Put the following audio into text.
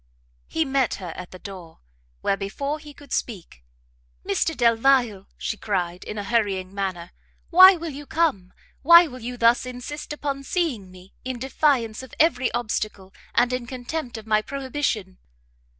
He met her at the door, where, before he could speak, "Mr Delvile," she cried, in a hurrying manner, "why will you come? Why will you thus insist upon seeing me, in defiance of every obstacle, and in contempt of my prohibition?"